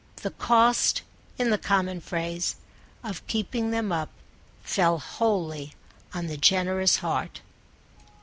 The cost, in the common phrase, of keeping them up fell wholly on the generous heart.